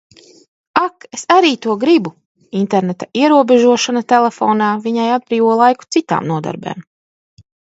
Ak, es arī to gribu! interneta ierobežošana telefonā viņai atbrīvo laiku citām nodarbēm.